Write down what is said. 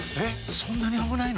そんなに危ないの？